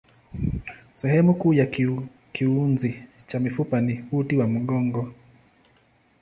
Sehemu kuu ya kiunzi cha mifupa ni uti wa mgongo.